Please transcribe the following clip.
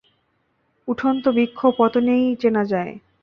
উঠন্ত বৃক্ষ পত্তনেই চেনা যায়।